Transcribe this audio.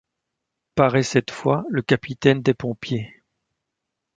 Paraît cette fois le capitaine des pompiers.